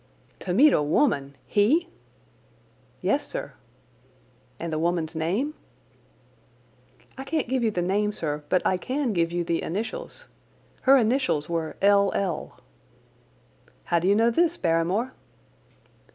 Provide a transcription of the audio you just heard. "To meet a woman! He?" "Yes, sir." "And the woman's name?" "I can't give you the name, sir, but I can give you the initials. Her initials were L. L." "How do you know this, Barrymore?"